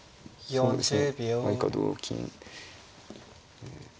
そうですね。